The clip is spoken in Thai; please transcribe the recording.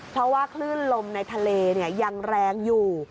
เพราะว่าคลื่นลมในทะเลยังแรงอยู่